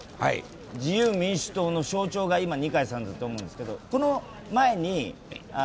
自由民主党の象徴が今、二階さんだと思うんですけど。